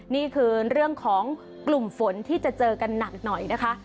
นี่คือเรื่องของกลุ่มฝนที่จะเจอกันหนักหน่อยนะคะ